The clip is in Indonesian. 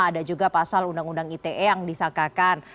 ada juga pasal undang undang ite yang disakakan